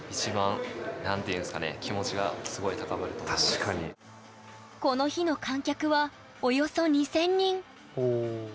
多分この日の観客はおよそ２，０００人。